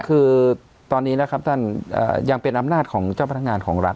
คือตอนนี้นะครับท่านยังเป็นอำนาจของเจ้าพนักงานของรัฐ